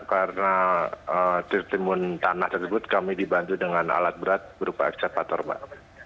karena tertimbun tanah tersebut kami dibantu dengan alat berat berupa aksepator pak